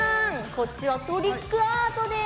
こっちはトリックアートです。